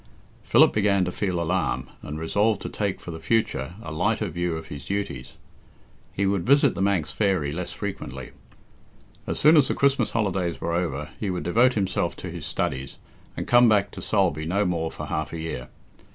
Philip began to feel alarm, and resolved to take for the future a lighter view of his duties. He would visit "The Manx Fairy" less frequently. As soon as the Christmas holidays were over he would devote himself to his studies, and come back to Sulby no more for half a year.